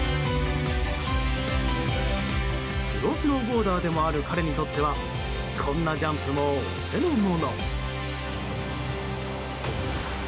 プロスノーボーダーでもある彼にとってはこんなジャンプもお手の物！